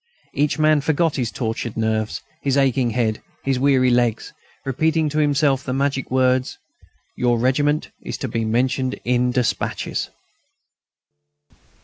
Each man forgot his tortured nerves, his aching head, his weary legs, repeating to himself the magic words: "Your regiment is to be mentioned in despatches!"